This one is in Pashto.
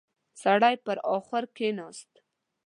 سړی پر اخور کېناست.